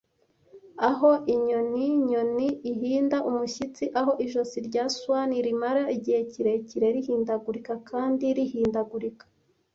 Aho inyoni-nyoni ihinda umushyitsi, aho ijosi rya swan rimara igihe kirekire rihindagurika kandi rihindagurika,